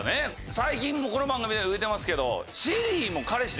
最近この番組では言うてますけど。